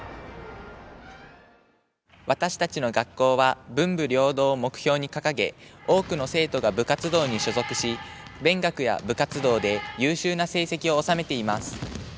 私たちの学校は文武両道を目標に掲げ多くの生徒が部活動に所属し勉学や部活動で優秀な成績を修めています。